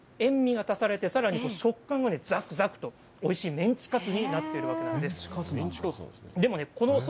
これのおかげで、塩味が足されて食感もざくざくとおいしいメンチカツになっているわけなんです。